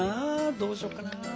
どうしようかな。